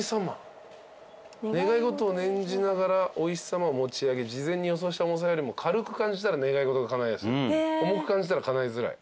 「願い事を念じながら御石様を持ち上げ事前に予想した重さよりも軽く感じたら願い事がかないやすい。